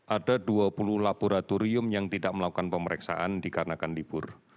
ada dua puluh laboratorium yang tidak melakukan pemeriksaan dikarenakan libur